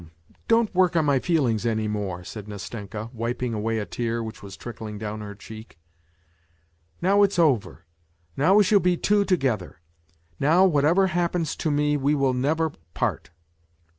Come, don't work on my feelings any more," said Nastenka, , wiping away a tear which was trickling down her cheek. " Now it's over ! N^ojwjvejshalLbe two together. Now^whatever happens to mo, wo will never part.